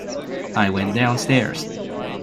I went downstairs.